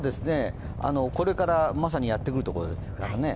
これからまさにやってくるところですね。